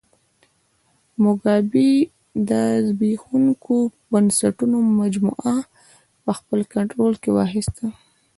موګابي د زبېښونکو بنسټونو مجموعه په خپل کنټرول کې واخیسته.